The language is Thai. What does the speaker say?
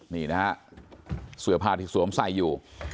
นี่นะฮะเสื้อผ้าที่สวมใส่อยู่